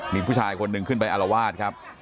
มีผู้ชายคนหนึ่งขึ้นไปอารวาสครับ